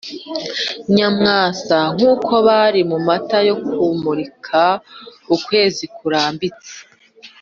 nyamwasa nkuko bari mumata yo kumurika ukwezi kurambitse